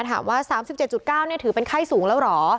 ถามว่า๓๗๙ถือเป็นไข้สูงแล้วเหรอ